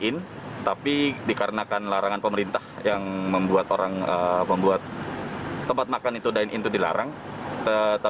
untuk kenyamanan meja khusus untuk makan di mobil juga